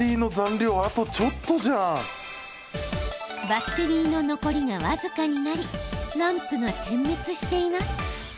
バッテリーの残りが僅かになりランプが点滅しています。